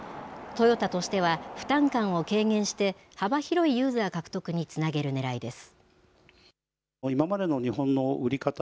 トヨタとしては、負担感を軽減して、幅広いユーザー獲得につなげるねらいです。